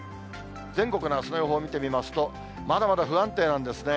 全国のあすの予報を見てみますと、まだまだ不安定なんですね。